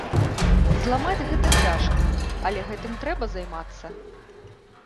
Зламаць гэта цяжка, але гэтым трэба займацца.